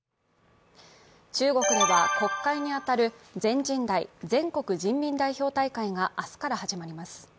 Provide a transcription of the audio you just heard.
中国では国会に当たる全人代＝全国人民代表大会が明日から始まります。